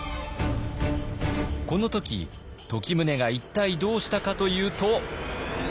この時時宗が一体どうしたかというと。